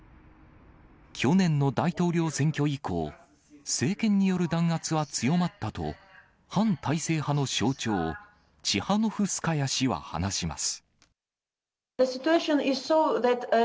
去年の大統領選挙以降、政権による弾圧は強まったと、反体制派の象徴、チハノフスカヤ氏は話します。